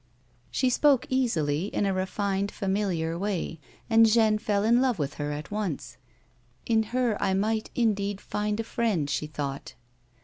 She spoke easily in a refined, familiar way, and Jeanne fell in love with her at once. " In her I might, indeed, find a friend," she thought.